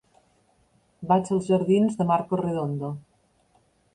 Vaig als jardins de Marcos Redondo.